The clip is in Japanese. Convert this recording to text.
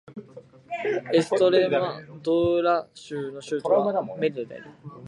エストレマドゥーラ州の州都はメリダである